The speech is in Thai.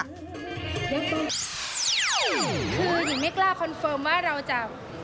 คือหญิงไม่กล้าคอนเฟิร์มว่าเราจะ